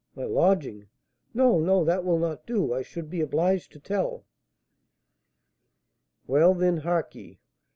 My lodging No, no, that will not do; I should be obliged to tell " "Well, then, hark ye.